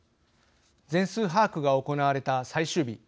全数把握が行われた最終日。